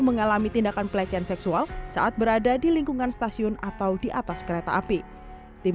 mengalami tindakan pelecehan seksual saat berada di lingkungan stasiun atau di atas kereta api tim